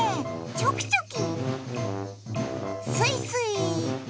チョキチョキ！